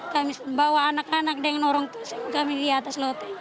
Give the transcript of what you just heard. kami bawa anak anak dengan orang kami di atas lote